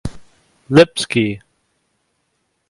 Lipski.